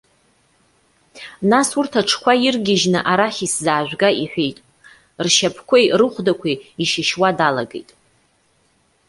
Нас, урҭ аҽқәа иргьежьны арахь исзаажәга,- иҳәеит. Ршьапқәеи рыхәдақәеи ишьышьуа далагеит.